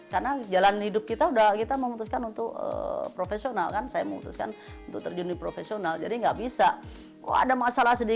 karena jalan hidup kita sudah kita memutuskan untuk profesional kan saya memutuskan untuk terjun di profesional jadi nggak bisa oh ada masalah sedikit